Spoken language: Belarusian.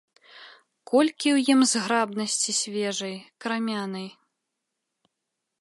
Колькі ў ім зграбнасці свежай, крамянай!